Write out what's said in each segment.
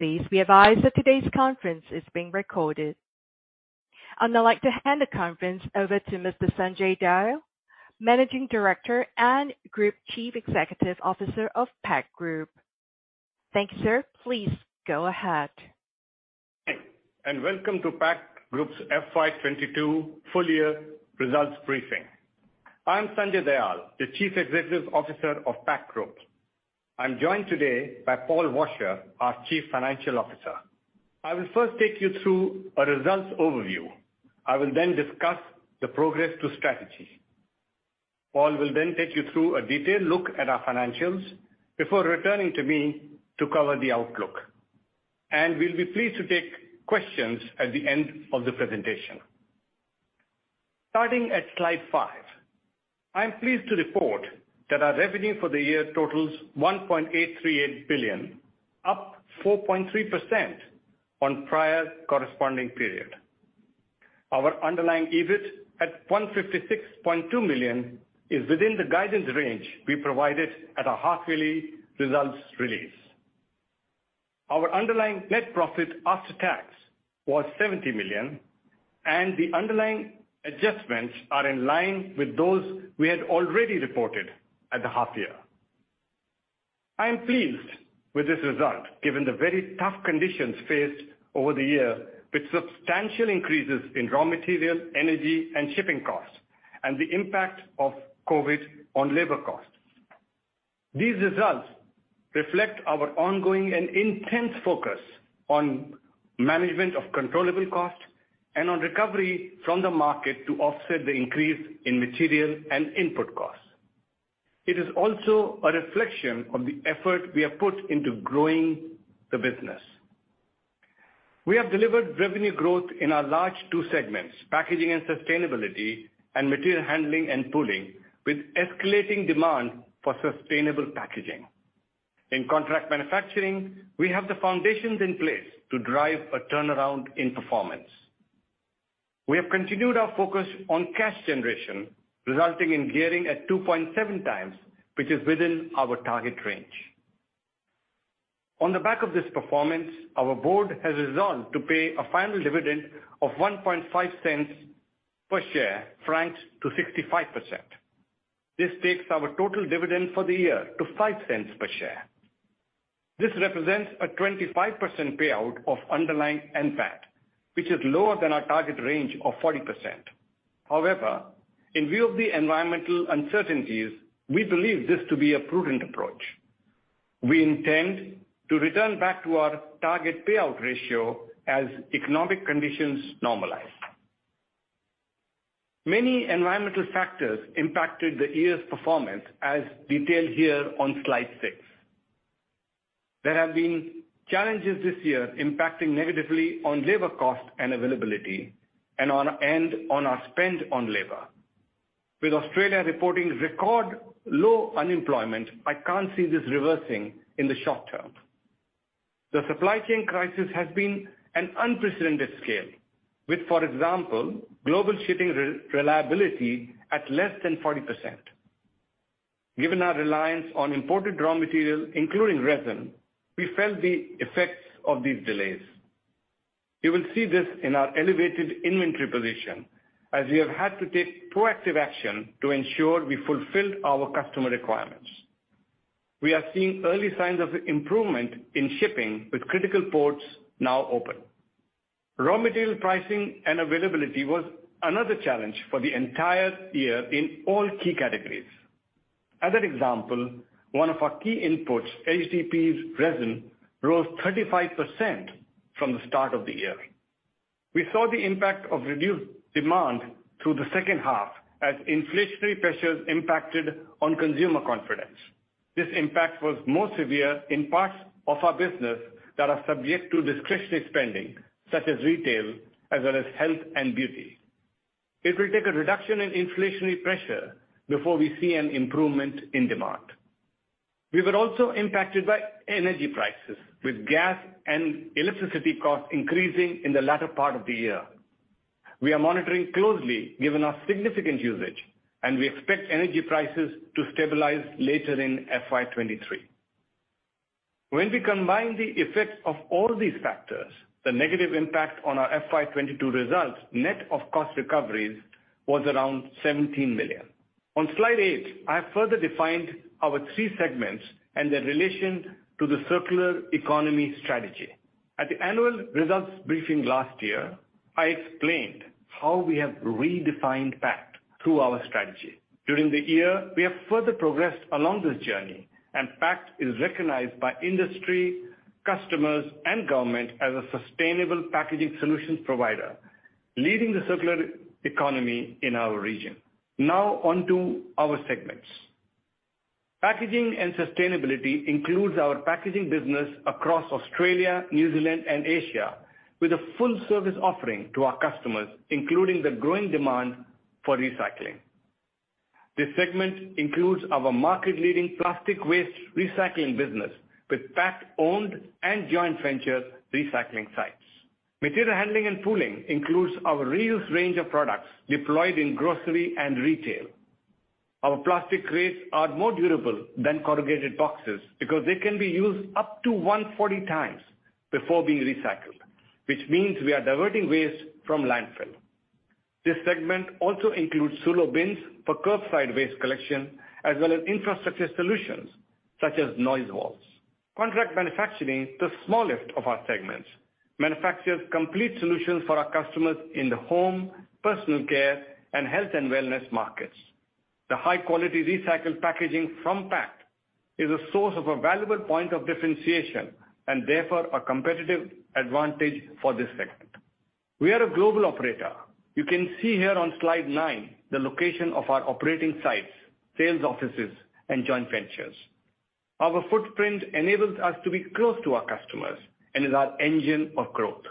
Please be advised that today's conference is being recorded. I'd like to hand the conference over to Mr. Sanjay Dayal, Managing Director and Group Chief Executive Officer of Pact Group. Thank you, sir. Please go ahead. Hey, welcome to Pact Group's FY 2022 full-year results briefing. I'm Sanjay Dayal, the Chief Executive Officer of Pact Group. I'm joined today by Paul Washer, our Chief Financial Officer. I will first take you through a results overview. I will then discuss the progress to strategy. Paul will then take you through a detailed look at our financials before returning to me to cover the outlook. We'll be pleased to take questions at the end of the presentation. Starting at slide five, I'm pleased to report that our revenue for the year totals 1.838 billion, up 4.3% on the prior corresponding period. Our underlying EBIT at 156.2 million is within the guidance range we provided at our half-yearly results release. Our underlying net profit after tax was 70 million, and the underlying adjustments are in line with those we had already reported at the half-year. I'm pleased with this result given the very tough conditions faced over the year with substantial increases in raw material, energy, and shipping costs, and the impact of COVID on labor costs. These results reflect our ongoing and intense focus on management of controllable costs and on recovery from the market to offset the increase in material and input costs. It is also a reflection of the effort we have put into growing the business. We have delivered revenue growth in our two largest segments, packaging and sustainability, and material handling and pooling, with escalating demand for sustainable packaging. In contract manufacturing, we have the foundations in place to drive a turnaround in performance. We have continued our focus on cash generation, resulting in gearing at 2.7 times, which is within our target range. On the back of this performance, our board has resolved to pay a final dividend of 0.015 per share, franked to 65%. This takes our total dividend for the year to 0.05 per share. This represents a 25% payout of underlying NPAT, which is lower than our target range of 40%. However, in view of the environmental uncertainties, we believe this to be a prudent approach. We intend to return back to our target payout ratio as economic conditions normalize. Many environmental factors impacted the year's performance, as detailed here on slide six. There have been challenges this year impacting negatively on labor costs and availability, and on our spend on labor. With Australia reporting record low unemployment, I can't see this reversing in the short term. The supply chain crisis has been an unprecedented scale, with, for example, global shipping reliability at less than 40%. Given our reliance on imported raw material, including resin, we felt the effects of these delays. You will see this in our elevated inventory position, as we have had to take proactive action to ensure we fulfilled our customer requirements. We are seeing early signs of improvement in shipping, with critical ports now open. Raw material pricing and availability was another challenge for the entire year in all key categories. As an example, one of our key inputs, HDPE resin, rose 35% from the start of the year. We saw the impact of reduced demand through the H2 as inflationary pressures impacted on consumer confidence. This impact was most severe in parts of our business that are subject to discretionary spending, such as retail, as well as health and beauty. It will take a reduction in inflationary pressure before we see an improvement in demand. We were also impacted by energy prices, with gas and electricity costs increasing in the latter part of the year. We are monitoring closely given our significant usage, and we expect energy prices to stabilize later in FY 2023. When we combine the effects of all these factors, the negative impact on our FY 2022 results net of cost recoveries was around 17 million. On slide eight, I have further defined our three segments and their relation to the circular economy strategy. At the annual results briefing last year, I explained how we have redefined Pact through our strategy. During the year, we have further progressed along this journey, and Pact is recognized by industry, customers, and government as a sustainable packaging solutions provider, leading the circular economy in our region. Now onto our segments. Packaging and sustainability includes our packaging business across Australia, New Zealand, and Asia, with a full-service offering to our customers, including the growing demand for recycling. This segment includes our market-leading plastic waste recycling business, with Pact-owned and joint venture recycling sites. Material handling and pooling includes our reuse range of products deployed in grocery and retail. Our plastic crates are more durable than corrugated boxes because they can be used up to 140 times before being recycled, which means we are diverting waste from landfill. This segment also includes SULO bins for curbside waste collection, as well as infrastructure solutions such as noise walls. Contract manufacturing, the smallest of our segments, manufactures complete solutions for our customers in the home, personal care, and health and wellness markets. The high-quality recycled packaging from Pact is a source of a valuable point of differentiation and, therefore, a competitive advantage for this segment. We are a global operator. You can see here on slide nine the location of our operating sites, sales offices, and joint ventures. Our footprint enables us to be close to our customers and is our engine of growth.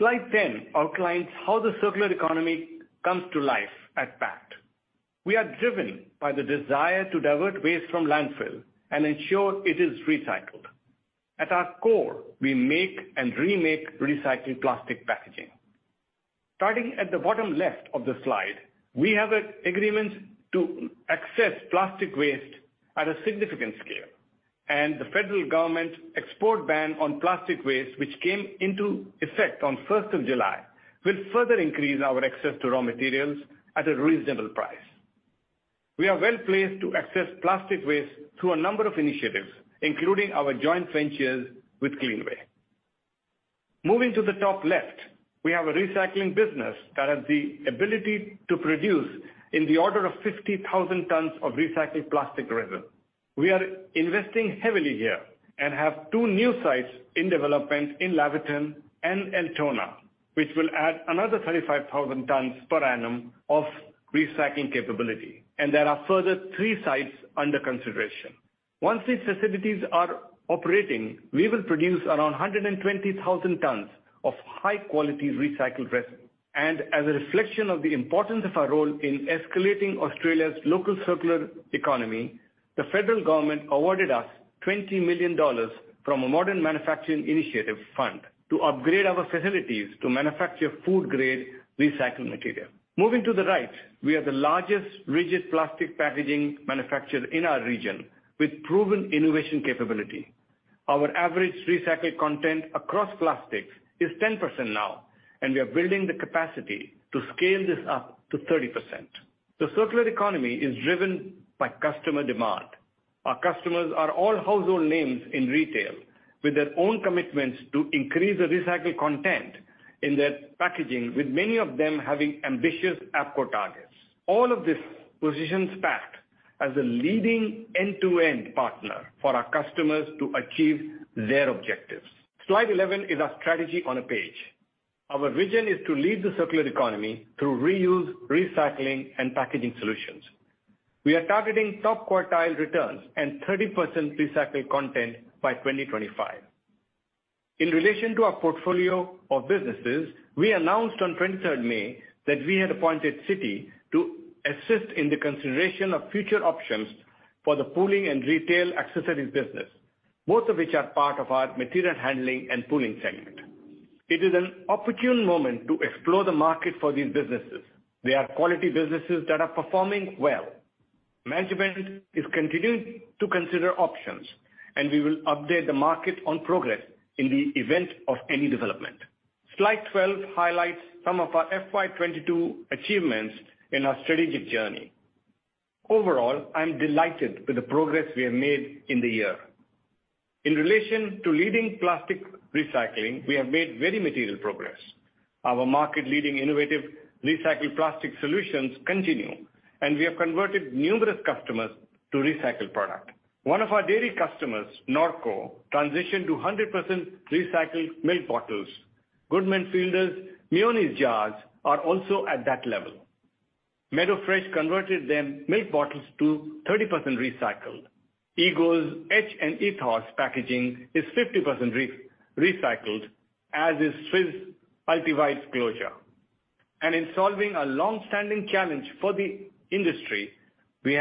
Slide 10 outlines how the circular economy comes to life at Pact. We are driven by the desire to divert waste from landfill and ensure it is recycled. At our core, we make and remake recycled plastic packaging. Starting at the bottom left of the slide, we have agreements to access plastic waste at a significant scale, and the federal government export ban on plastic waste, which came into effect on 1st of July, will further increase our access to raw materials at a reasonable price. We are well placed to access plastic waste through a number of initiatives, including our joint ventures with Cleanaway. Moving to the top left, we have a recycling business that has the ability to produce in the order of 50,000 tons of recycled plastic resin. We are investing heavily here and have two new sites in development in Laverton and Altona, which will add another 35,000 tons per annum of recycling capability. There are further three sites under consideration. Once these facilities are operating, we will produce around 120,000 tons of high-quality recycled resin. As a reflection of the importance of our role in escalating Australia's local circular economy, the federal government awarded us 20 million dollars from a Modern Manufacturing Initiative Fund to upgrade our facilities to manufacture food-grade recycled material. Moving to the right, we are the largest rigid plastic packaging manufacturer in our region, with proven innovation capability. Our average recycled content across plastics is 10% now, and we are building the capacity to scale this up to 30%. The circular economy is driven by customer demand. Our customers are all household names in retail, with their own commitments to increase the recycled content in their packaging, with many of them having ambitious APCO targets. All of this positions Pact as a leading end-to-end partner for our customers to achieve their objectives. Slide 11 is our strategy on a page. Our vision is to lead the circular economy through reuse, recycling, and packaging solutions. We are targeting top quartile returns and 30% recycled content by 2025. In relation to our portfolio of businesses, we announced on 23rd May that we had appointed Citi to assist in the consideration of future options for the pooling and retail accessories business, both of which are part of our material handling and pooling segment. It is an opportune moment to explore the market for these businesses. They are quality businesses that are performing well. Management is continuing to consider options, and we will update the market on progress in the event of any development. Slide 12 highlights some of our FY 2022 achievements in our strategic journey. Overall, I'm delighted with the progress we have made in the year. In relation to leading plastic recycling, we have made very material progress. Our market-leading innovative recycled plastic solutions continue, and we have converted numerous customers to recycled products. One of our dairy customers, Norco, transitioned to 100% recycled milk bottles. Goodman Fielder's Meadow Lea's jars are also at that level. Meadow Fresh converted their milk bottles to 30% recycled. Ego's QV packaging is 50% recycled, as is Swisse Ultivite's closure. In solving a longstanding challenge for the industry, we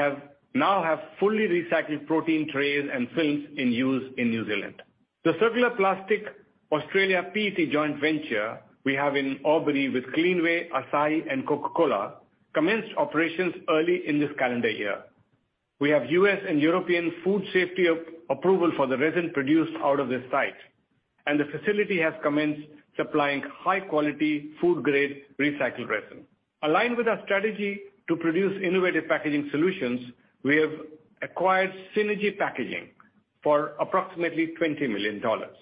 now have fully recycled protein trays and films in use in New Zealand. The Circular Plastics Australia PET joint venture we have in Albury with Cleanaway, Asahi, and Coca-Cola commenced operations early in this calendar year. We have U.S. and European food safety approval for the resin produced out of this site, and the facility has commenced supplying high-quality, food-grade recycled resin. Aligned with our strategy to produce innovative packaging solutions, we have acquired Synergy Packaging for approximately 20 million dollars.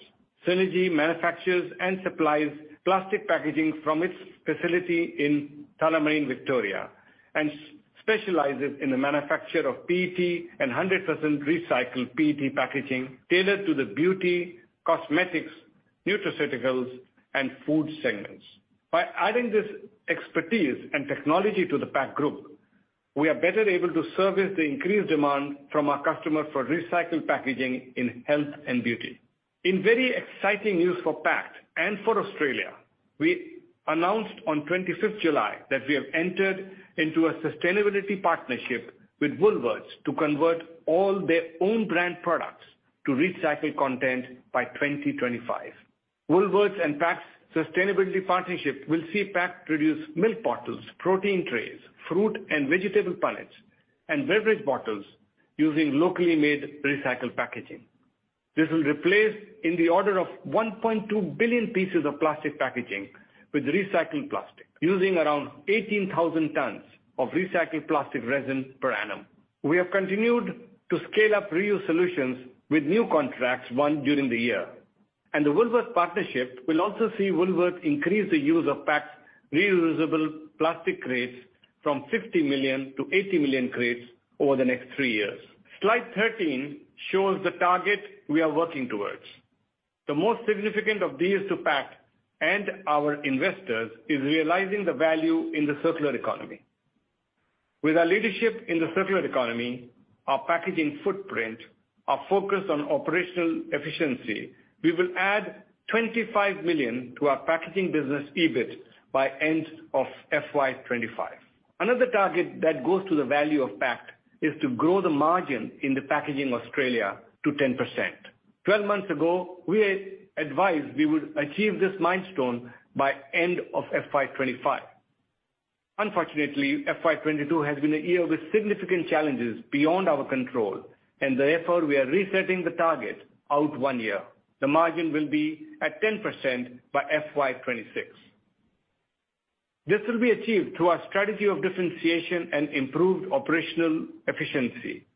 Synergy manufactures and supplies plastic packaging from its facility in Tullamarine, Victoria, and specializes in the manufacture of PET and 100% recycled PET packaging tailored to the beauty, cosmetics, nutraceuticals, and food segments. By adding this expertise and technology to the Pact Group, we are better able to service the increased demand from our customers for recycled packaging in health and beauty. In very exciting news for Pact and for Australia, we announced on 25th July that we have entered into a sustainability partnership with Woolworths to convert all their own brand products to recycled content by 2025. Woolworths and Pact's sustainability partnership will see Pact produce milk bottles, protein trays, fruit and vegetable pallets, and beverage bottles using locally made recycled packaging. This will replace, in the order of 1.2 billion pieces of plastic packaging, with recycled plastic, using around 18,000 tons of recycled plastic resin per annum. We have continued to scale up reuse solutions with new contracts won during the year. The Woolworths partnership will also see Woolworths increase the use of Pact's reusable plastic crates from 50 million to 80 million crates over the next three years. Slide 13 shows the target we are working towards. The most significant of these to Pact and our investors is realizing the value in the circular economy. With our leadership in the circular economy, our packaging footprint, our focus on operational efficiency, we will add 25 million to our packaging business EBIT by end of FY 2025. Another target that goes to the value of Pact is to grow the margin in the packaging of Australia to 10%. 12 months ago, we advised we would achieve this milestone by end of FY 2025. Unfortunately, FY 2022 has been a year with significant challenges beyond our control, and therefore, we are resetting the target out one year. The margin will be at 10% by FY 2026. This will be achieved through our strategy of differentiation and improved operational efficiency.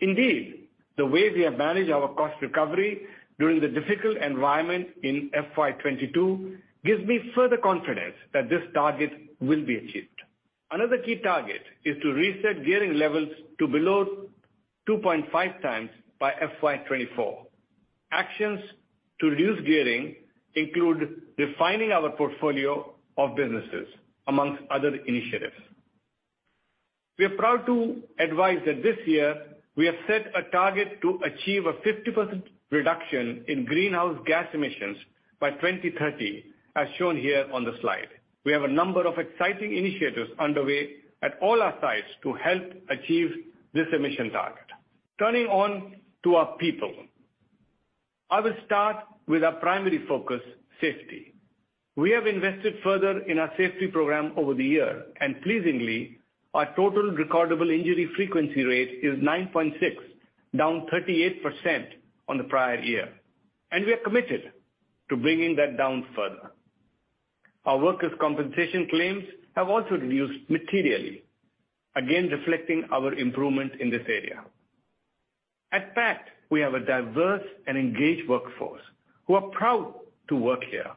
Indeed, the way we have managed our cost recovery during the difficult environment in FY 2022 gives me further confidence that this target will be achieved. Another key target is to reset gearing levels to below 2.5 times by FY 2024. Actions to reduce gearing include refining our portfolio of businesses, among other initiatives. We are proud to advise that this year, we have set a target to achieve a 50% reduction in greenhouse gas emissions by 2030, as shown here on the slide. We have a number of exciting initiatives underway at all our sites to help achieve this emission target. Turning on to our people, I will start with our primary focus, safety. We have invested further in our safety program over the year, and pleasingly, our total recordable injury frequency rate is 9.6, down 38% on the prior year. We are committed to bringing that down further. Our workers' compensation claims have also reduced materially, again reflecting our improvement in this area. At Pact, we have a diverse and engaged workforce who are proud to work here.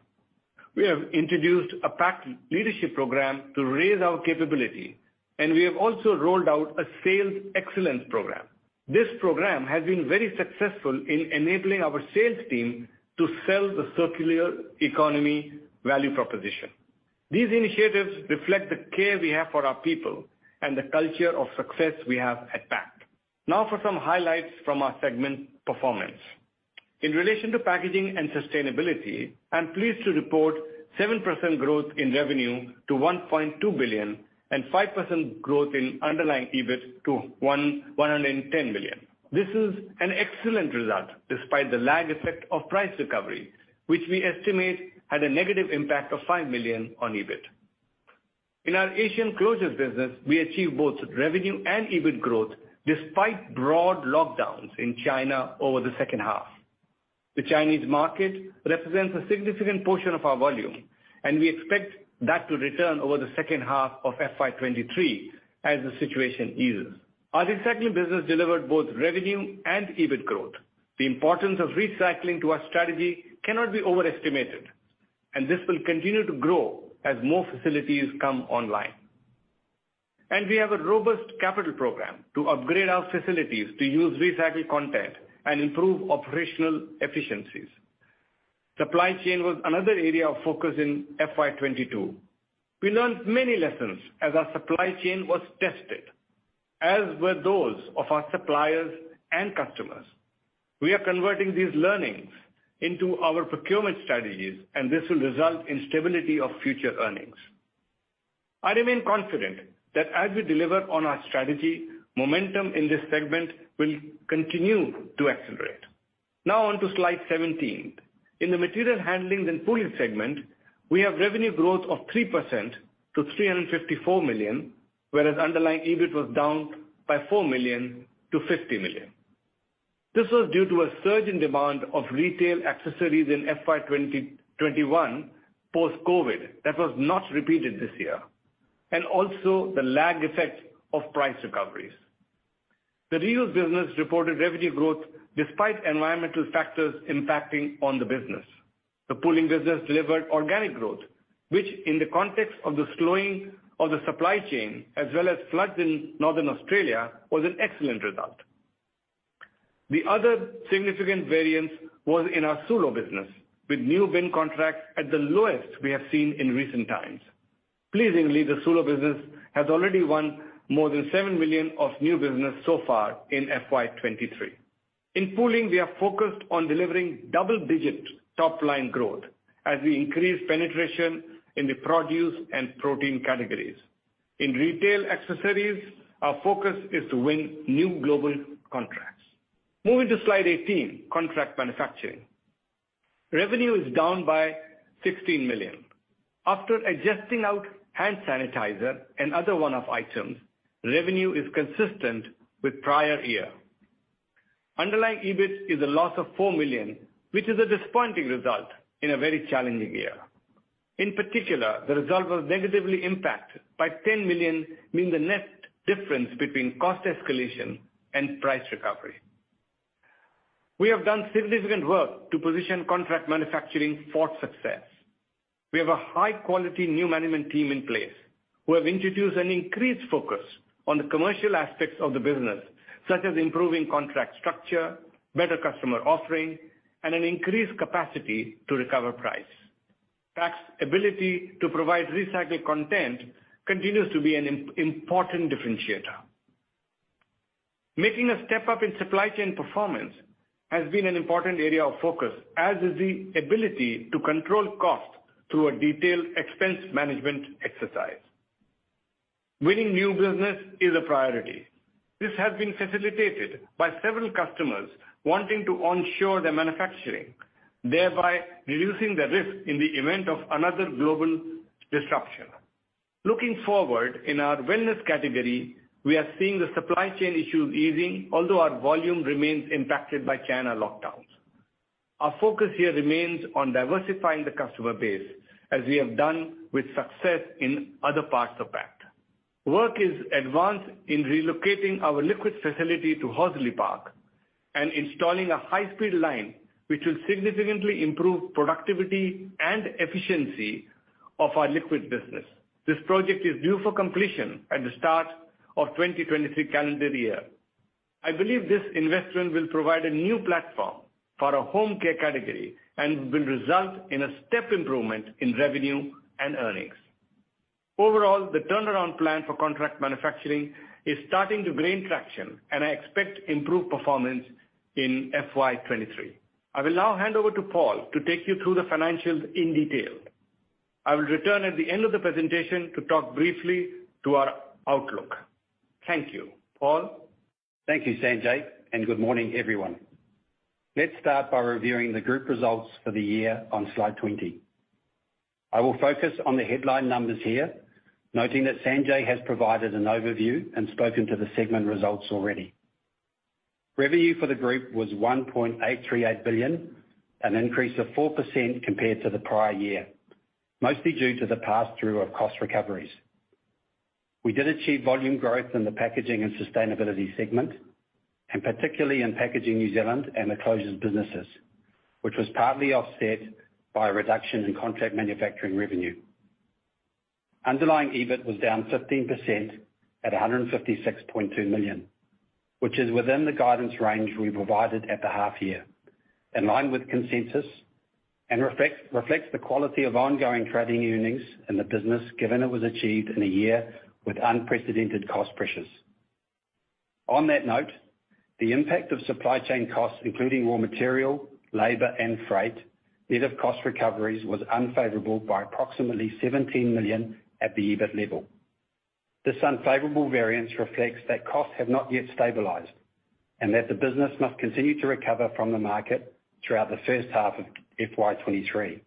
We have introduced a Pact leadership program to raise our capability, and we have also rolled out a sales excellence program. This program has been very successful in enabling our sales team to sell the circular economy value proposition. These initiatives reflect the care we have for our people and the culture of success we have at Pact. Now for some highlights from our segment performance. In relation to packaging and sustainability, I'm pleased to report 7% growth in revenue to 1.2 billion and 5% growth in underlying EBIT to 110 million. This is an excellent result despite the lag effect of price recovery, which we estimate had a negative impact of 5 million on EBIT. In our Asian closures business, we achieved both revenue and EBIT growth despite broad lockdowns in China over the H2. The Chinese market represents a significant portion of our volume, and we expect that to return over the H2 of FY 2023 as the situation eases. Our recycling business delivered both revenue and EBIT growth. The importance of recycling to our strategy cannot be overestimated, and this will continue to grow as more facilities come online. We have a robust capital program to upgrade our facilities to use recycled content and improve operational efficiencies. Supply chain was another area of focus in FY 2022. We learned many lessons as our supply chain was tested, as were those of our suppliers and customers. We are converting these learnings into our procurement strategies, and this will result in stability of future earnings. I remain confident that as we deliver on our strategy, momentum in this segment will continue to accelerate. Now on to slide 17. In the material handling and pooling segment, we have revenue growth of 3% to 354 million, whereas underlying EBIT was down by 4 million-50 million. This was due to a surge in demand of retail accessories in FY 2021 post-COVID that was not repeated this year, and also the lag effect of price recoveries. The reuse business reported revenue growth despite environmental factors impacting on the business. The pooling business delivered organic growth, which in the context of the slowing of the supply chain as well as floods in northern Australia was an excellent result. The other significant variance was in our SULO business, with new bin contracts at the lowest we have seen in recent times. Pleasingly, the SULO business has already won more than 7 million of new business so far in FY 2023. In pooling, we are focused on delivering double-digit top-line growth as we increase penetration in the produce and protein categories. In retail accessories, our focus is to win new global contracts. Moving to slide 18, contract manufacturing. Revenue is down by 16 million. After adjusting out hand sanitizer and other one-off items, revenue is consistent with prior year. Underlying EBIT is a loss of 4 million, which is a disappointing result in a very challenging year. In particular, the result was negatively impacted by 10 million being the net difference between cost escalation and price recovery. We have done significant work to position contract manufacturing for success. We have a high-quality new management team in place who have introduced an increased focus on the commercial aspects of the business, such as improving contract structure, better customer offering, and an increased capacity to recover price. Pact's ability to provide recycled content continues to be an important differentiator. Making a step up in supply chain performance has been an important area of focus, as is the ability to control costs through a detailed expense management exercise. Winning new business is a priority. This has been facilitated by several customers wanting to onshore their manufacturing, thereby reducing the risk in the event of another global disruption. Looking forward, in our wellness category, we are seeing the supply chain issues easing, although our volume remains impacted by China lockdowns. Our focus here remains on diversifying the customer base as we have done with success in other parts of Pact. Work is advanced in relocating our liquids facility to Horsley Park and installing a high-speed line, which will significantly improve productivity and efficiency of our liquids business. This project is due for completion at the start of 2023 calendar year. I believe this investment will provide a new platform for our home care category and will result in a step improvement in revenue and earnings. Overall, the turnaround plan for contract manufacturing is starting to gain traction, and I expect improved performance in FY 2023. I will now hand over to Paul to take you through the financials in detail. I will return at the end of the presentation to talk briefly to our outlook. Thank you, Paul. Thank you, Sanjay, and good morning, everyone. Let's start by reviewing the group results for the year on slide 20. I will focus on the headline numbers here, noting that Sanjay has provided an overview and spoken to the segment results already. Revenue for the group was 1.838 billion, an increase of 4% compared to the prior year, mostly due to the pass-through of cost recoveries. We did achieve volume growth in the packaging and sustainability segment, and particularly in Packaging New Zealand and the Closures businesses, which was partly offset by a reduction in contract manufacturing revenue. Underlying EBIT was down 15% at 156.2 million, which is within the guidance range we provided at the half-year, in line with consensus, and reflects the quality of ongoing trading earnings in the business given it was achieved in a year with unprecedented cost pressures. On that note, the impact of supply chain costs, including raw material, labor, and freight, net of cost recoveries, was unfavorable by approximately 17 million at the EBIT level. This unfavorable variance reflects that costs have not yet stabilized and that the business must continue to recover from the market throughout the H1 of FY 2023.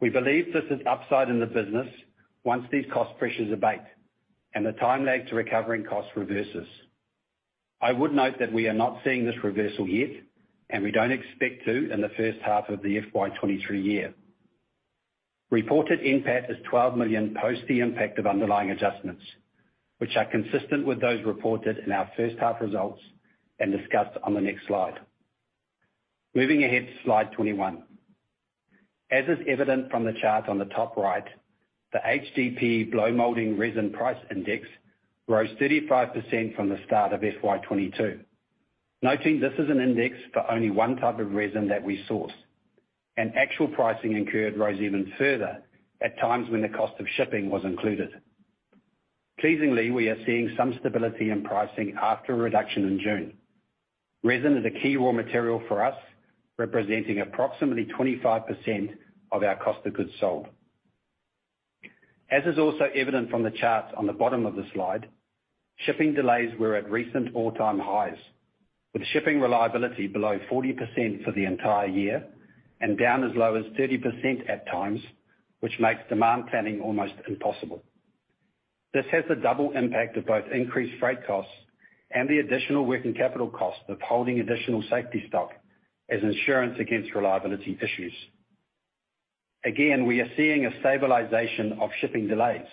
We believe this is upside in the business once these cost pressures abate and the time lag to recovering costs reverses. I would note that we are not seeing this reversal yet, and we don't expect to in the H1 of the FY 2023 year. Reported impact is 12 million post the impact of underlying adjustments, which are consistent with those reported in our H1 results and discussed on the next slide. Moving ahead, slide 21. As is evident from the chart on the top right, the HDPE Blow Moulding Resin Price Index rose 35% from the start of FY 2022, noting this is an index for only one type of resin that we source, and actual pricing incurred rose even further at times when the cost of shipping was included. Pleasingly, we are seeing some stability in pricing after a reduction in June. Resin is a key raw material for us, representing approximately 25% of our cost of goods sold. As is also evident from the chart on the bottom of the slide, shipping delays were at recent all-time highs, with shipping reliability below 40% for the entire year and down as low as 30% at times, which makes demand planning almost impossible. This has the double impact of both increased freight costs and the additional working capital cost of holding additional safety stock as insurance against reliability issues. Again, we are seeing a stabilization of shipping delays,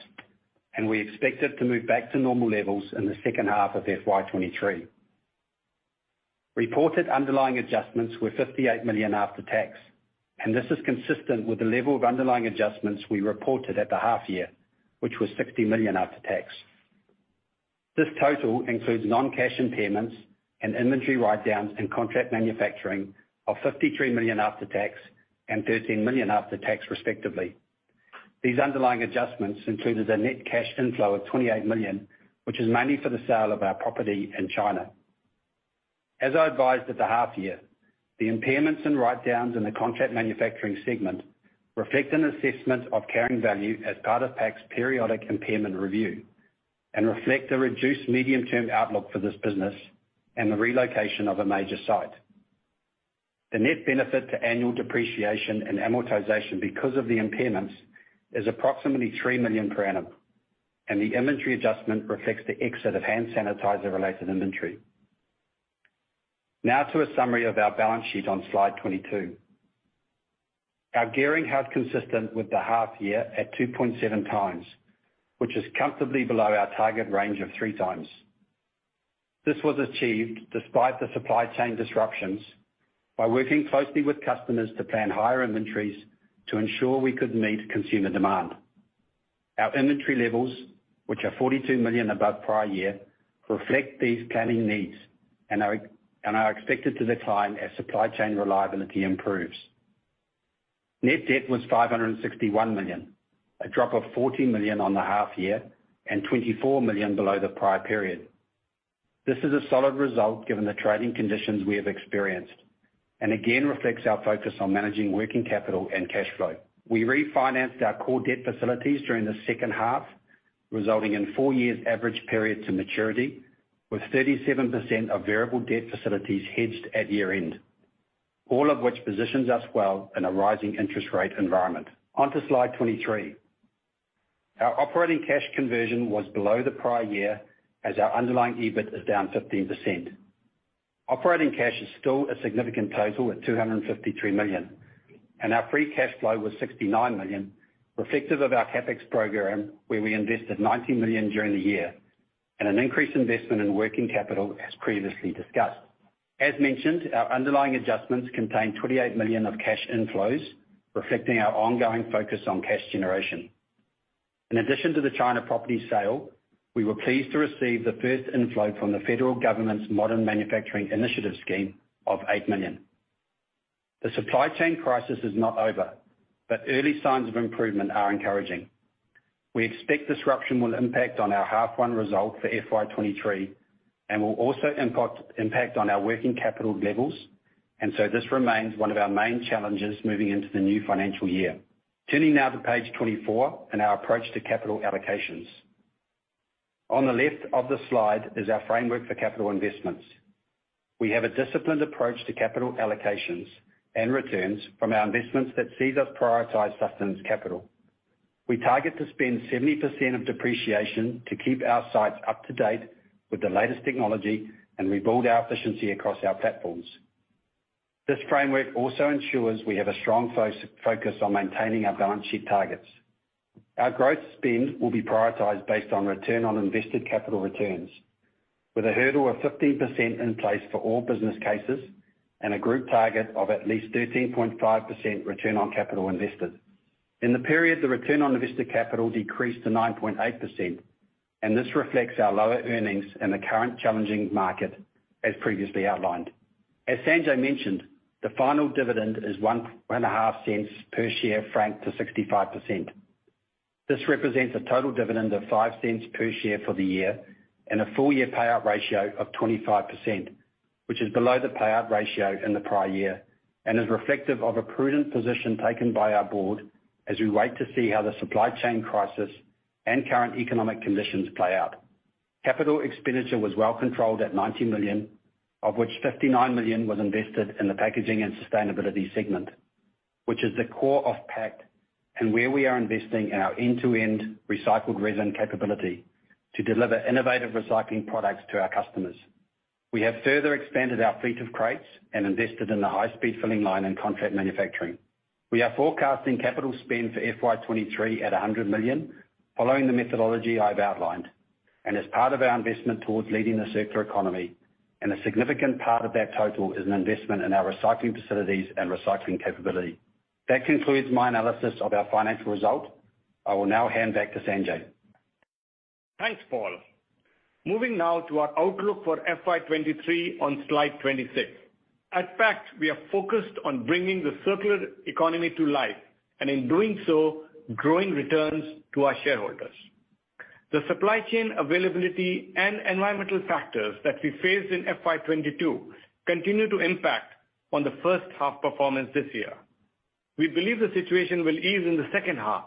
and we expect it to move back to normal levels in the H2 of FY 2023. Reported underlying adjustments were 58 million after tax, and this is consistent with the level of underlying adjustments we reported at the half-year, which was 60 million after tax. This total includes non-cash impairments and inventory write-downs in contract manufacturing of 53 million after tax and 13 million after tax, respectively. These underlying adjustments included a net cash inflow of 28 million, which is money for the sale of our property in China. As I advised at the half-year, the impairments and write-downs in the contract manufacturing segment reflect an assessment of carrying value as part of Pact's periodic impairment review and reflect a reduced medium-term outlook for this business and the relocation of a major site. The net benefit to annual depreciation and amortization because of the impairments is approximately 3 million per annum, and the inventory adjustment reflects the exit of hand sanitizer-related inventory. Now to a summary of our balance sheet on slide 22. Our gearing held consistent with the half-year at 2.7x, which is comfortably below our target range of 3x. This was achieved despite the supply chain disruptions by working closely with customers to plan higher inventories to ensure we could meet consumer demand. Our inventory levels, which are 42 million above prior year, reflect these planning needs and are expected to decline as supply chain reliability improves. Net debt was 561 million, a drop of 40 million on the half-year and 24 million below the prior period. This is a solid result given the trading conditions we have experienced and again reflects our focus on managing working capital and cash flow. We refinanced our core debt facilities during the H2, resulting in four years average period to maturity, with 37% of variable debt facilities hedged at year-end, all of which positions us well in a rising interest rate environment. On to slide 23. Our operating cash conversion was below the prior year as our underlying EBIT is down 15%. Operating cash is still a significant total at 253 million, and our free cash flow was 69 million, reflective of our CapEx program where we invested 90 million during the year and an increased investment in working capital, as previously discussed. As mentioned, our underlying adjustments contain 28 million of cash inflows, reflecting our ongoing focus on cash generation. In addition to the China property sale, we were pleased to receive the first inflow from the Federal Government's Modern Manufacturing Initiative scheme of 8 million. The supply chain crisis is not over, but early signs of improvement are encouraging. We expect disruption will impact on our H1 result for FY 2023 and will also impact on our working capital levels, and so this remains one of our main challenges moving into the new financial year. Turning now to page 24 and our approach to capital allocations. On the left of the slide is our framework for capital investments. We have a disciplined approach to capital allocations and returns from our investments that sees us prioritize sustenance capital. We target to spend 70% of depreciation to keep our sites up-to-date with the latest technology and rebuild our efficiency across our platforms. This framework also ensures we have a strong focus on maintaining our balance sheet targets. Our growth spend will be prioritized based on return on invested capital returns, with a hurdle of 15% in place for all business cases and a group target of at least 13.5% return on capital invested. In the period, the return on invested capital decreased to 9.8%, and this reflects our lower earnings and the current challenging market, as previously outlined. As Sanjay mentioned, the final dividend is 0.015 per share franked to 65%. This represents a total dividend of 0.05 per share for the year and a full-year payout ratio of 25%, which is below the payout ratio in the prior year and is reflective of a prudent position taken by our board as we wait to see how the supply chain crisis and current economic conditions play out. Capital expenditure was well controlled at 90 million, of which 59 million was invested in the packaging and sustainability segment, which is the core of Pact and where we are investing in our end-to-end recycled resin capability to deliver innovative recycling products to our customers. We have further expanded our fleet of crates and invested in the high-speed filling line in contract manufacturing. We are forecasting capital spend for FY 2023 at 100 million, following the methodology I've outlined, and as part of our investment towards leading the circular economy, a significant part of that total is an investment in our recycling facilities and recycling capability. That concludes my analysis of our financial result. I will now hand back to Sanjay. Thanks, Paul. Moving now to our outlook for FY 2023 on slide 26. At Pact, we are focused on bringing the circular economy to life and, in doing so, growing returns to our shareholders. The supply chain availability and environmental factors that we faced in FY 2022 continue to impact on the H1 performance this year. We believe the situation will ease in the H2,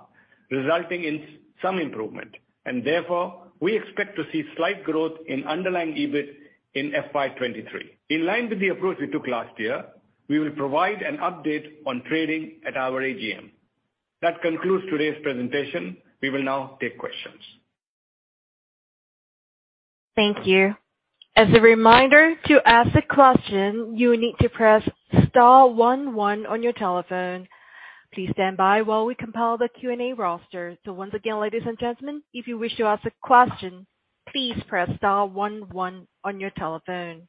resulting in some improvement, and therefore, we expect to see slight growth in underlying EBIT in FY 2023. In line with the approach we took last year, we will provide an update on trading at our AGM. That concludes today's presentation. We will now take questions. Thank you. As a reminder to ask a question, you need to press star one one on your telephone. Please stand by while we compile the Q&A roster. Once again, ladies and gentlemen, if you wish to ask a question, please press star one one on your telephone.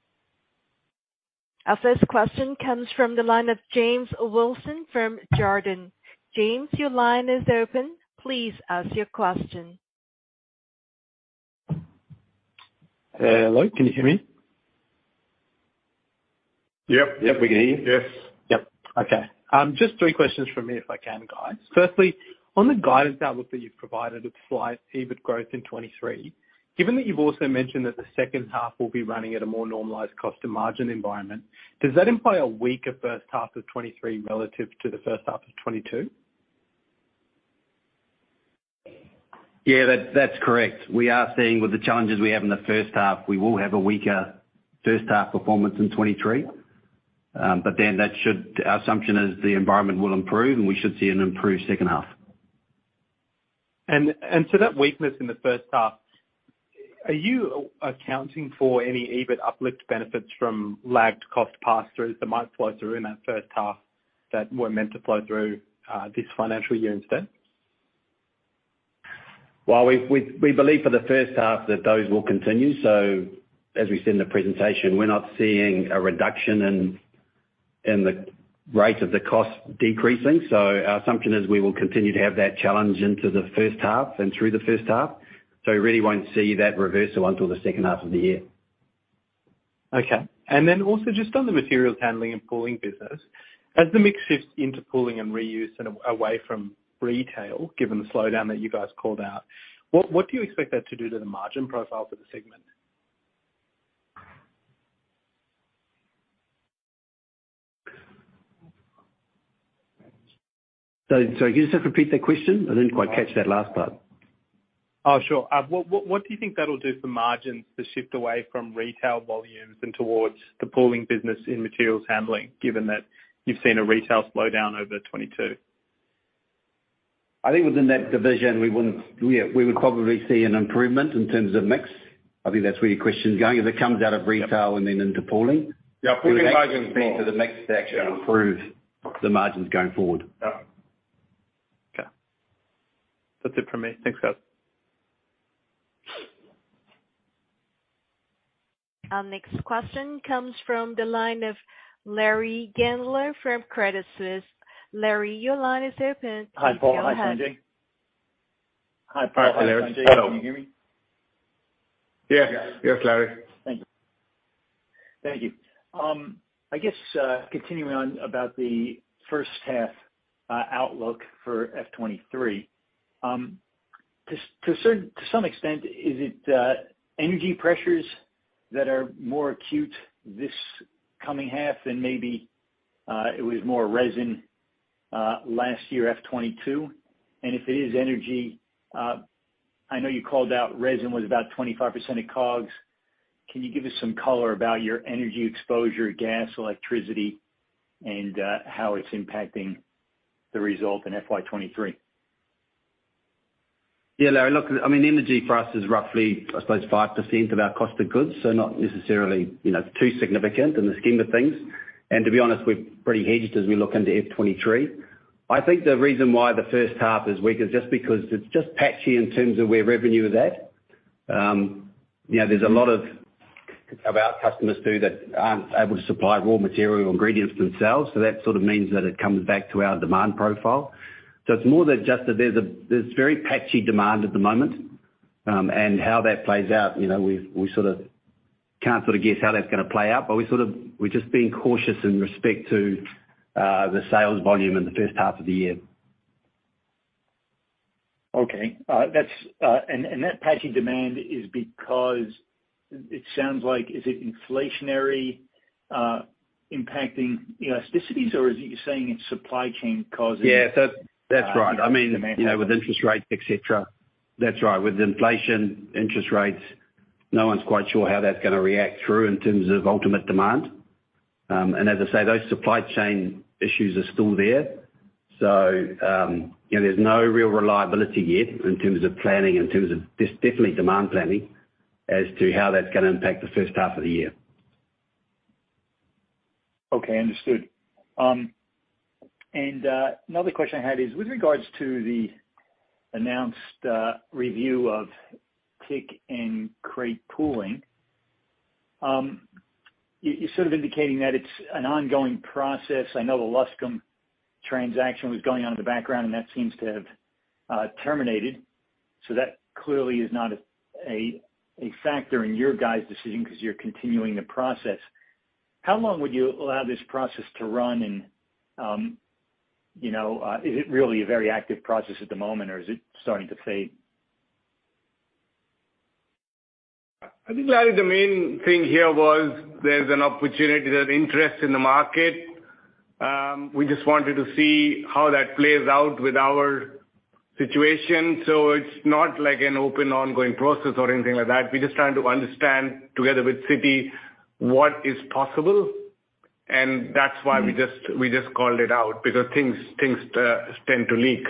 Our first question comes from the line of James Wilson from Jarden. James, your line is open. Please ask your question. Hello. Can you hear me? Yep. Yep. We can hear you. Yes. Yep. Okay. Just three questions from me, if I can, guys. Firstly, on the guidance outlook that you've provided of flat EBIT growth in 2023, given that you've also mentioned that the H2 will be running at a more normalized cost and margin environment, does that imply a weaker H1 of 2023 relative to the H1 of 2022? Yeah. That's correct. We are seeing, with the challenges we have in the H1, we will have a weaker H1 performance in 2023, but then that should our assumption is the environment will improve and we should see an improved H2. To that weakness in the H1, are you accounting for any EBIT uplift benefits from lagged cost pass-throughs that might flow through in that H1 that weren't meant to flow through this financial year instead? Well, we believe for the H1 that those will continue. As we said in the presentation, we're not seeing a reduction in the rate of the cost decreasing. Our assumption is we will continue to have that challenge into the H1 and through the H1. We really won't see that reversal until the H2 of the year. Okay. Then also just on the materials handling and pooling business, as the mix shifts into pooling and reuse and away from retail, given the slowdown that you guys called out, what do you expect that to do to the margin profile for the segment? Sorry. Can you just repeat that question? I didn't quite catch that last part. Oh, sure. What do you think that'll do for margins to shift away from retail volumes and towards the pooling business in materials handling, given that you've seen a retail slowdown over 2022? I think within that division, we would probably see an improvement in terms of mix. I think that's where your question's going. If it comes out of retail and then into pooling, we're going to see the margins going forward. We're going to see the mix actually improve the margins going forward. Okay. That's it from me. Thanks, guys. Our next question comes from the line of Larry Gandler from Credit Suisse. Larry, your line is open. Hi, Paul. Hi, Sanjay. Hi, Paul. Hi, Larry. Hello. Can you hear me? Yes. Yes, Larry. Thank you. Thank you. I guess continuing on about the H1 outlook for FY 2023, to some extent, is it energy pressures that are more acute this coming half than maybe it was more resin last year, FY 2022? And if it is energy, I know you called out resin was about 25% of COGS. Can you give us some color about your energy exposure, gas, electricity, and how it's impacting the result in FY 2023? Yeah, Larry. I mean, energy for us is roughly, I suppose, 5% of our cost of goods, so not necessarily too significant in the scheme of things. To be honest, we're pretty hedged as we look into FY 2023. I think the reason why the H1 is weak is just because it's just patchy in terms of where revenue is at. There's a lot of our customers who aren't able to supply raw material ingredients themselves. That sort of means that it comes back to our demand profile. It's more than just that there's very patchy demand at the moment. How that plays out, we can't sort of guess how that's going to play out, but we're just being cautious in respect to the sales volume in the H1 of the year. Okay. That patchy demand is because it sounds like is it inflationary impacting elasticities, or is it you're saying it's supply chain causing? Yeah. That's right. I mean, with interest rates, etc., that's right. With inflation, interest rates, no one's quite sure how that's going to react through in terms of ultimate demand. As I say, those supply chain issues are still there. There's no real reliability yet in terms of planning, in terms of definitely demand planning as to how that's going to impact the H1 of the year. Okay. Understood. Another question I had is with regards to the announced review of TIC and Crate Pooling, you're sort of indicating that it's an ongoing process. I know the Loscam transaction was going on in the background, and that seems to have terminated. That clearly is not a factor in your guys' decision because you're continuing the process. How long would you allow this process to run? And is it really a very active process at the moment, or is it starting to fade? I think, Larry, the main thing here was there's an opportunity, there's interest in the market. We just wanted to see how that plays out with our situation. It's not an open ongoing process or anything like that. We're just trying to understand together with Citi what is possible. That's why we just called it out because things tend to leak.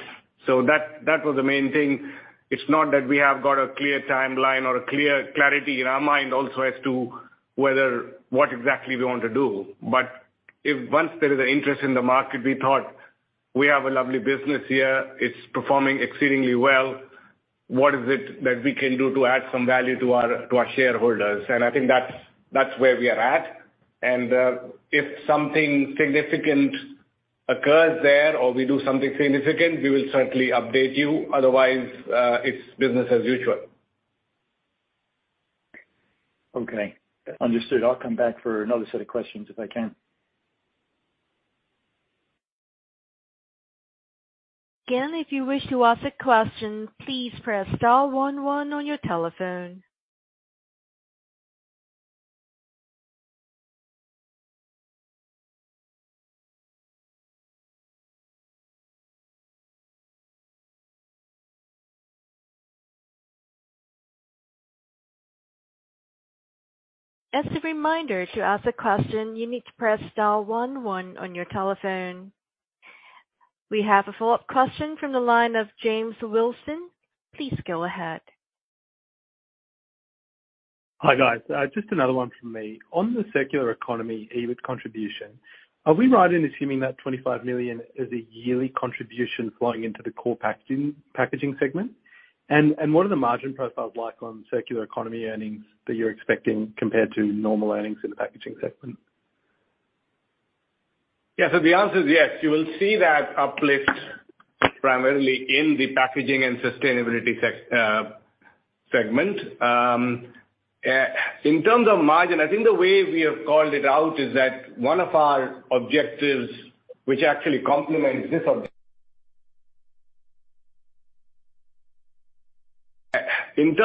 That was the main thing. It's not that we have got a clear timeline or a clarity in our mind also as to what exactly we want to do. Once there is an interest in the market, we thought, "We have a lovely business here. It's performing exceedingly well. What is it that we can do to add some value to our shareholders?" I think that's where we are at. If something significant occurs there or we do something significant, we will certainly update you. Otherwise, it's business as usual. Okay. Understood. I'll come back for another set of questions if I can. Again, if you wish to ask a question, please press star one one on your telephone. As a reminder to ask a question, you need to press star one one on your telephone. We have a follow-up question from the line of James Wilson. Please go ahead. Hi, guys. Just another one from me. On the circular economy EBIT contribution, are we right in assuming that 25 million is a yearly contribution flowing into the core packaging segment? And what are the margin profiles like on circular economy earnings that you're expecting compared to normal earnings in the packaging segment? Yeah. The answer is yes. You will see that uplift primarily in the packaging and sustainability segment. In terms of margin, I think the way we have called it out is that one of our objectives, which actually complements this objective, is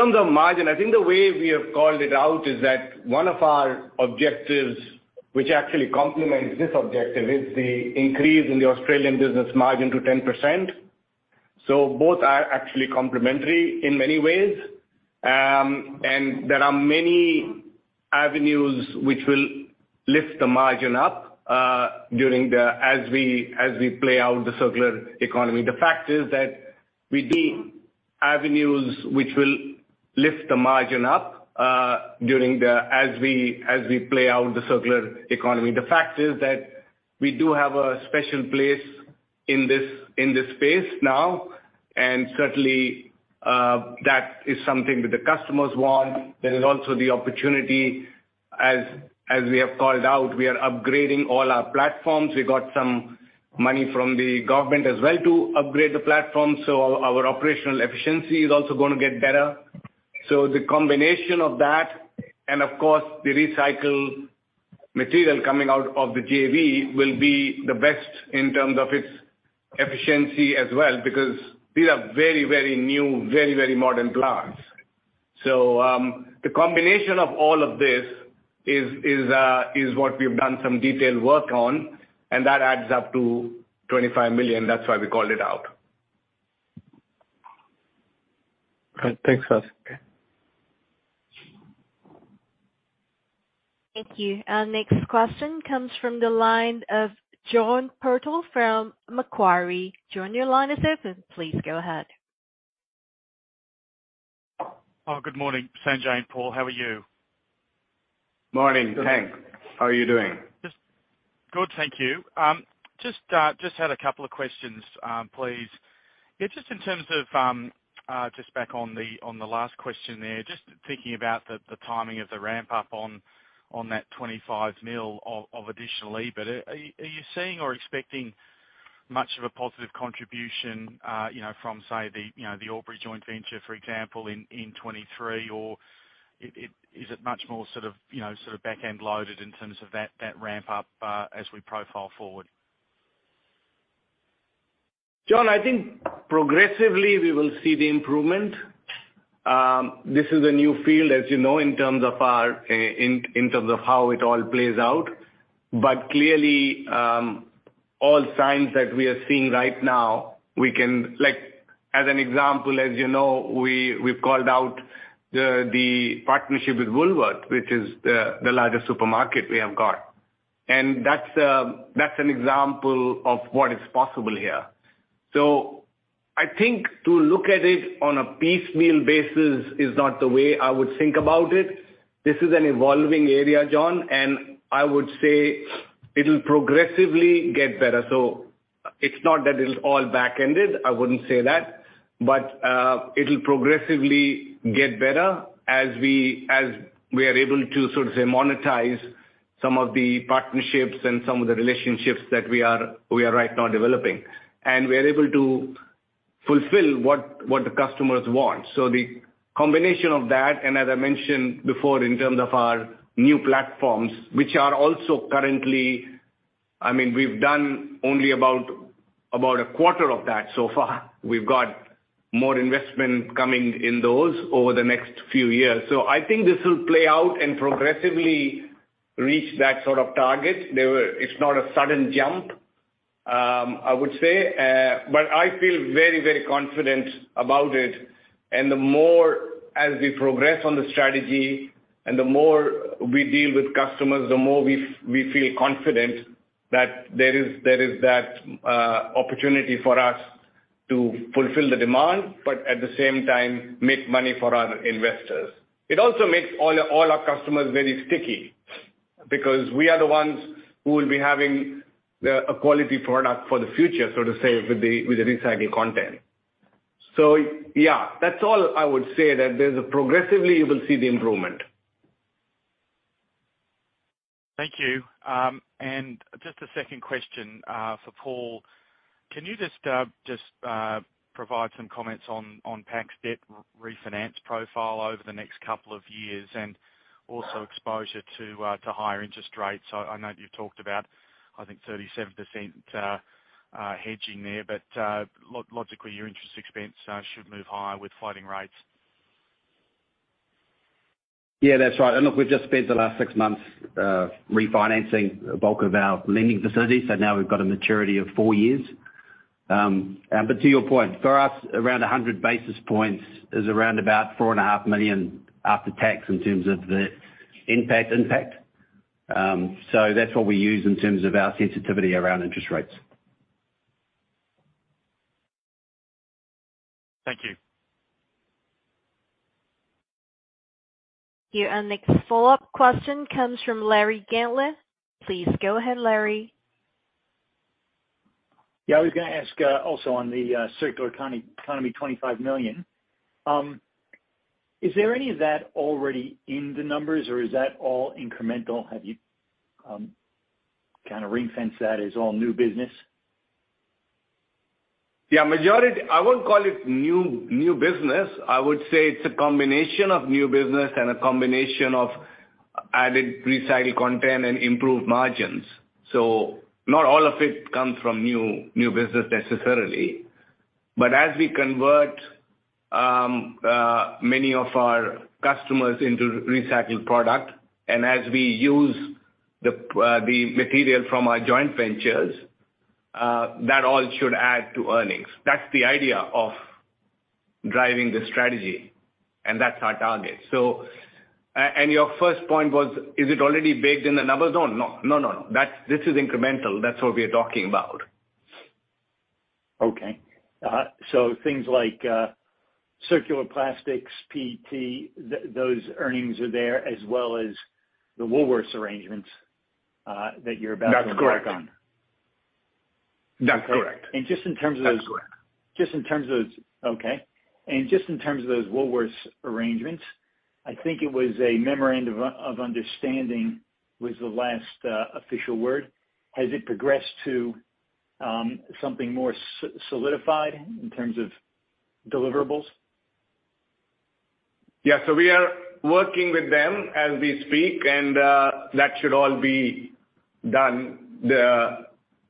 the increase in the Australian business margin to 10%. Both are actually complementary in many ways. There are many avenues which will lift the margin up as we play out the circular economy. The fact is that we do have a special place in this space now. Certainly, that is something that the customers want. There is also the opportunity. As we have called out, we are upgrading all our platforms. We got some money from the government as well to upgrade the platform. Our operational efficiency is also going to get better. The combination of that and, of course, the recycled material coming out of the JV will be the best in terms of its efficiency as well because these are very, very new, very, very modern plants. The combination of all of this is what we've done some detailed work on. That adds up to 25 million. That's why we called it out. All right. Thanks, guys. Thank you. Next question comes from the line of John Purtell from Macquarie. John, your line is open. Please go ahead. Oh, good morning, Sanjay and Paul. How are you? Morning. Thanks. How are you doing? Good. Thank you. Just had a couple of questions, please. Yeah. Just in terms of just back on the last question there, just thinking about the timing of the ramp-up on that 25 million of additional EBIT, are you seeing or expecting much of a positive contribution from, say, the Albury joint venture, for example, in 2023? Or is it much more sort of back-end loaded in terms of that ramp-up as we profile forward? John, I think progressively, we will see the improvement. This is a new field, as you know, in terms of how it all plays out. Clearly, all signs that we are seeing right now, we can as an example, as you know, we've called out the partnership with Woolworths, which is the largest supermarket we have got. That's an example of what is possible here. I think to look at it on a piecemeal basis is not the way I would think about it. This is an evolving area, John. I would say it'll progressively get better. It's not that it's all back-ended. I wouldn't say that. It'll progressively get better as we are able to sort of say monetize some of the partnerships and some of the relationships that we are right now developing. We are able to fulfill what the customers want. The combination of that and, as I mentioned before, in terms of our new platforms, which are also currently I mean, we've done only about a quarter of that so far. We've got more investment coming in those over the next few years. I think this will play out and progressively reach that sort of target. It's not a sudden jump, I would say. I feel very, very confident about it. The more as we progress on the strategy and the more we deal with customers, the more we feel confident that there is that opportunity for us to fulfill the demand but at the same time, make money for our investors. It also makes all our customers very sticky because we are the ones who will be having a quality product for the future, so to say, with the recycled content. Yeah, that's all I would say, that progressively, you will see the improvement. Thank you. Just a second question for Paul. Can you just provide some comments on Pact's debt refinance profile over the next couple of years and also exposure to higher interest rates? I know you've talked about, I think, 37% hedging there. Logically, your interest expense should move higher with floating rates. Yeah. That's right. Look, we've just spent the last six months refinancing the bulk of our lending facilities. Now we've got a maturity of four years. To your point, for us, around 100 basis points is around about 4.5 million after tax in terms of the impact. That's what we use in terms of our sensitivity around interest rates. Thank you. Thank you. Our next follow-up question comes from Larry Gandler. Please go ahead, Larry. Yeah. I was going to ask also on the circular economy 25 million. Is there any of that already in the numbers, or is that all incremental? Have you kind of ring-fenced that as all new business? Yeah. I won't call it new business. I would say it's a combination of new business and a combination of added recycled content and improved margins. Not all of it comes from new business necessarily. As we convert many of our customers into recycled product and as we use the material from our joint ventures, that all should add to earnings. That's the idea of driving the strategy. That's our target. Your first point was, is it already baked in the numbers? No. This is incremental. That's what we are talking about. Okay. Things like Circular Plastics, PET, those earnings are there as well as the Woolworths arrangements that you're about to work on? That's correct. Okay. Just in terms of those Woolworths arrangements, I think it was a memorandum of understanding was the last official word. Has it progressed to something more solidified in terms of deliverables? Yeah. We are working with them as we speak. That should all be done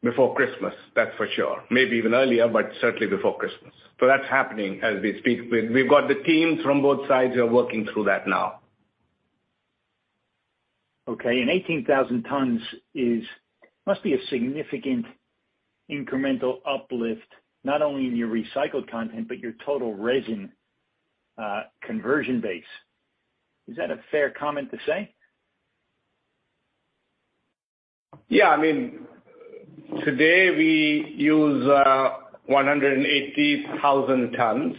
before Christmas, that's for sure. Maybe even earlier, but certainly before Christmas. That's happening as we speak. We've got the teams from both sides who are working through that now. Okay. 18,000 tons must be a significant incremental uplift not only in your recycled content but your total resin conversion base. Is that a fair comment to say? Yeah. I mean, today, we use 180,000 tons.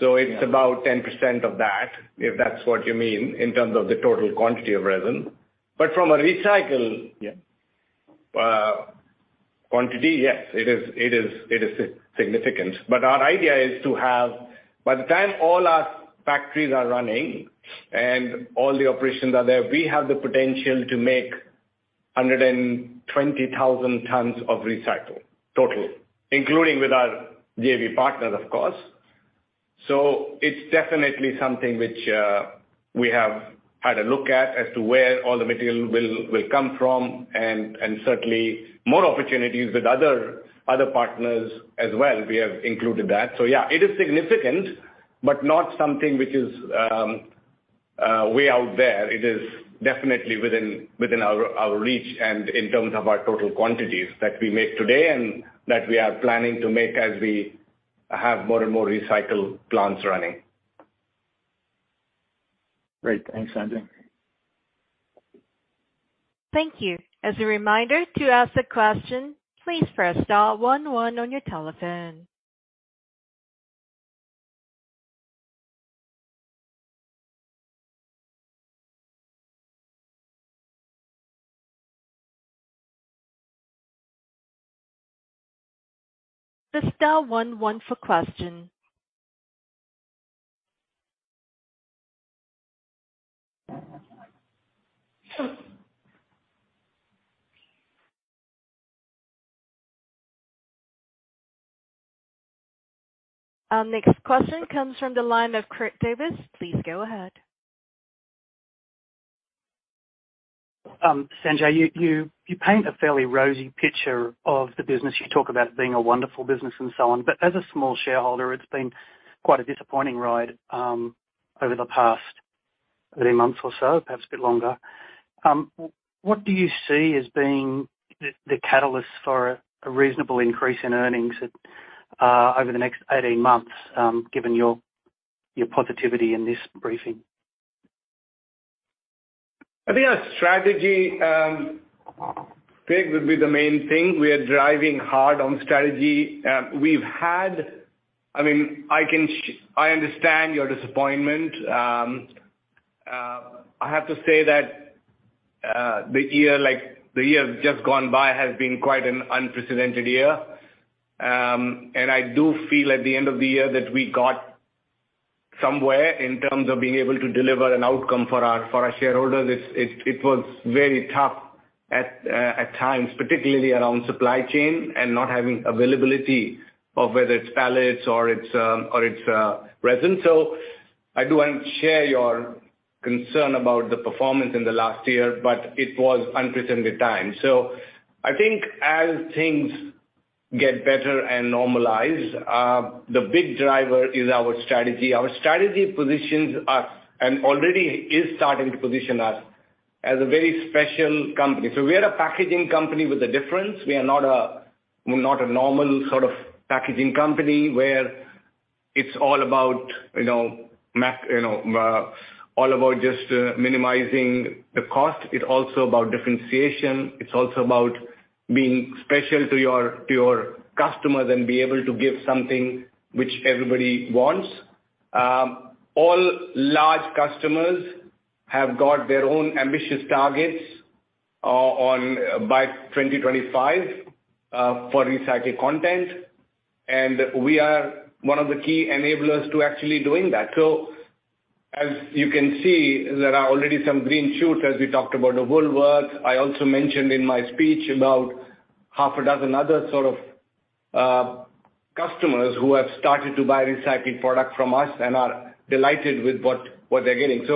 It's about 10% of that, if that's what you mean, in terms of the total quantity of resin. But from a recycled quantity, yes, it is significant. But our idea is to have by the time all our factories are running and all the operations are there, we have the potential to make 120,000 tons of recycle total, including with our JV partners, of course. It's definitely something which we have had a look at as to where all the material will come from and certainly more opportunities with other partners as well. We have included that. Yeah, it is significant but not something which is way out there. It is definitely within our reach and in terms of our total quantities that we make today and that we are planning to make as we have more and more recycled plants running. Great. Thanks, Sanjay. Thank you. As a reminder, to ask a question, please press star one one on your telephone. The star one one for question. Our next question comes from the line of Kirk Davis. Please go ahead. Sanjay, you paint a fairly rosy picture of the business. You talk about it being a wonderful business and so on. As a small shareholder, it's been quite a disappointing ride over the past 18 months or so, perhaps a bit longer. What do you see as being the catalyst for a reasonable increase in earnings over the next 18 months given your positivity in this briefing? I think our strategy figure would be the main thing. We are driving hard on strategy. I mean, I understand your disappointment. I have to say that the year just gone by has been quite an unprecedented year. I do feel at the end of the year that we got somewhere in terms of being able to deliver an outcome for our shareholders. It was very tough at times, particularly around supply chain and not having availability of whether it's pallets or it's resin. I do want to share your concern about the performance in the last year. It was unprecedented times. I think as things get better and normalize, the big driver is our strategy. Our strategy positions us and already is starting to position us as a very special company. We are a packaging company with a difference. We are not a normal sort of packaging company where it's all about just minimising the cost. It's also about differentiation. It's also about being special to your customers and be able to give something which everybody wants. All large customers have got their own ambitious targets by 2025 for recycled content. We are one of the key enablers to actually doing that. As you can see, there are already some green shoots, as we talked about, of Woolworths. I also mentioned in my speech about half a dozen other sort of customers who have started to buy recycled product from us and are delighted with what they're getting.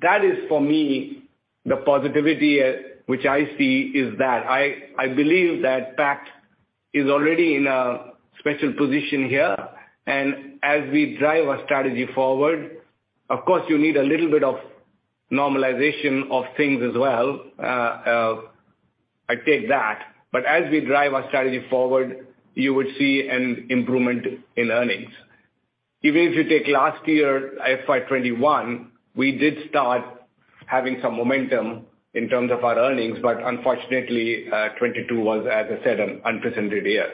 That is, for me, the positivity which I see is that. I believe that Pact is already in a special position here. As we drive our strategy forward of course, you need a little bit of normalization of things as well. I take that. As we drive our strategy forward, you would see an improvement in earnings. Even if you take last year, FY 2021, we did start having some momentum in terms of our earnings. Unfortunately, 2022 was, as I said, an unprecedented year.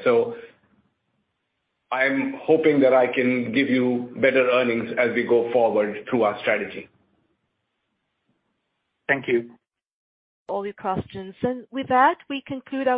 I'm hoping that I can give you better earnings as we go forward through our strategy. Thank you. All your questions. With that, we conclude our.